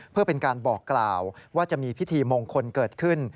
เพื่อเป็นการบอกกล่าวว่าจะมีพิธีมงคลเกิดขึ้น